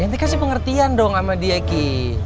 ya ente kasih pengertian dong sama dia ki